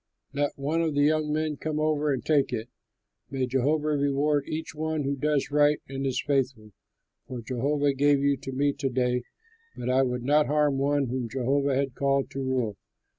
Let one of the young men come over and take it. May Jehovah reward each one who does right and is faithful; for Jehovah gave you to me to day, but I would not harm one whom Jehovah had called to rule.